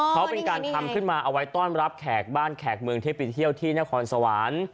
เขาเป็นการทำขึ้นมาเอาไว้ต้อนรับแขกบ้านแขกเมืองที่ไปเที่ยวที่นครสวรรค์